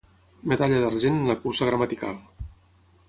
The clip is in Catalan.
Medalla d'argent en la cursa gramatical.